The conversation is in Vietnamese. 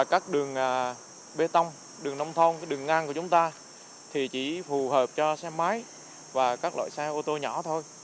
các đường bê tông đường nông thôn đường ngang của chúng ta thì chỉ phù hợp cho xe máy và các loại xe ô tô nhỏ thôi